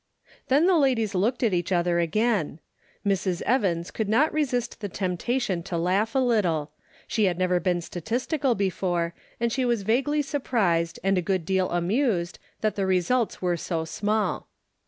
HEN the ladies looked at each other again. Mrs. Evans could not resist the temptation to laugh a little ; she had never been statistical before, and she was vaguely surprised and a good deal amused that the results were so small.